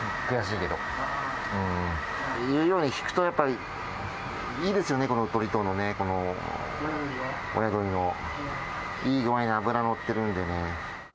いいようにひくと、やっぱりいいですよね、この鳥藤のね、親鶏の、いい具合に脂乗ってるんでね。